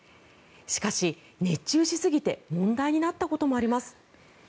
しかし、熱中しすぎて問題になったこともあります。